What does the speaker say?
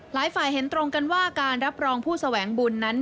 หลายฝ่ายเห็นตรงกันว่าการรับรองผู้แสวงบุญนั้น